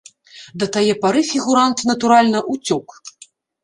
Да тае пары фігурант, натуральна, уцёк.